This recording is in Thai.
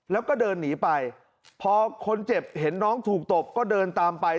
แล้วก็เดินหนีไปพอคนเจ็บเห็นน้องถูกตบก็เดินตามไป